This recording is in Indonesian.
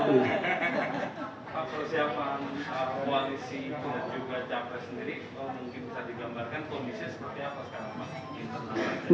pak persiapan koalisi dan juga jadwal sendiri mungkin bisa digambarkan kondisi seperti apa sekarang